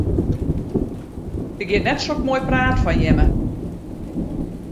Der giet net sok moai praat fan jimme.